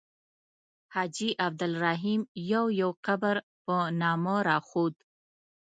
حاجي عبدالرحیم یو یو قبر په نامه راښود.